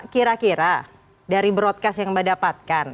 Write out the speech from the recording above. kira kira dari broadcast yang mbak dapatkan